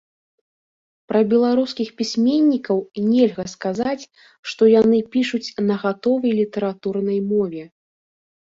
Пра беларускіх пісьменнікаў нельга сказаць, што яны пішуць на гатовай літаратурнай мове.